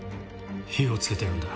火を付けてるんだ。